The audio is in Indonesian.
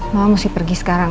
mama mesti pergi sekarang